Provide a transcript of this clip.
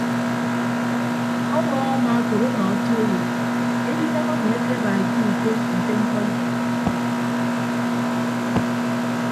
Ọbọọñ amaakop ọnọ otu owo edinam emi akeba ete uko nte mkpọ ibọk.